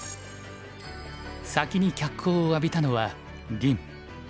先に脚光を浴びたのは林。